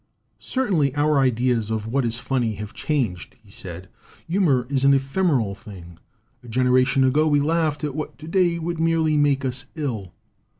"Certainly our ideas of what is funny have changed," he said. "Humor is an ephemeral thing. A generation ago we laughed at what to day would merely make us ill.